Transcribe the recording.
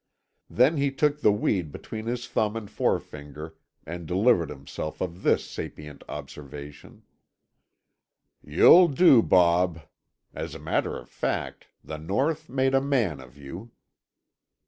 Then he took the weed between his thumb and forefinger and delivered himself of this sapient observation: "You'll do, Bob. As a matter of fact, the North made a man of you."